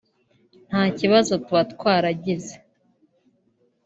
nta kibazo tuba twaragize